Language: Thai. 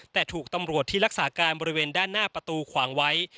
แต่ถูกตำรวจที่รักษาการบริเวณด้านหน้าประตูขวางไว้